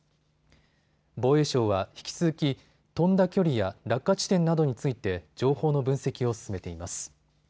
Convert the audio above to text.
防衛省は引き続き飛んだ距離や落下地点などについて情報の分析を進めています。